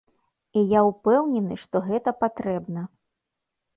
І я ўпэўнены, што гэта патрэбна.